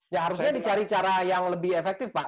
ya harusnya dicari cara yang lebih efektif pak